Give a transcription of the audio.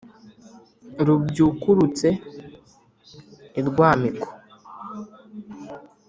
rubyukurutse i rwamiko,